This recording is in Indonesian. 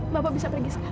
bapak bisa pergi sekarang